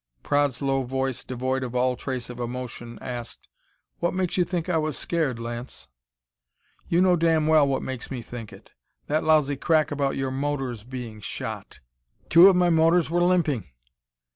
Praed's low voice, devoid of all trace of emotion, asked: "What makes you think I was scared, Lance?" "You know damn well what makes me think it! That lousy crack about your motors being shot!" "Two of my motors were limping."